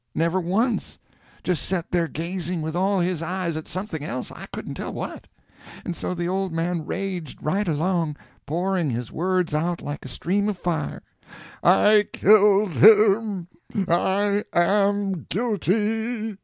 Never once—just set there gazing with all his eyes at something else, I couldn't tell what. And so the old man raged right along, pouring his words out like a stream of fire: [Illustration: I struck to kill.] "I killed him! I am guilty!